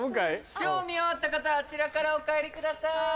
ショー見終わった方はあちらからお帰りください。